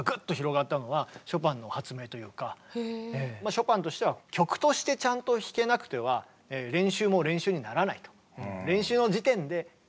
ショパンとしては曲としてちゃんと弾けなくては練習も練習にならないと。